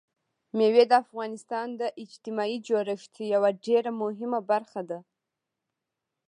مېوې د افغانستان د اجتماعي جوړښت یوه ډېره مهمه برخه ده.